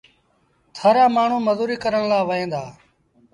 ٿر رآ مآڻهوٚٚݩ مزوريٚ ڪرڻ لآ وهيݩ دآ